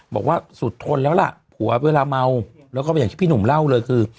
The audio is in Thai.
บอกว่าสุดทนแล้วล่ะผัวเวลาเมาแล้วก็อย่างที่พี่หนุ่มเล่าเลยคือ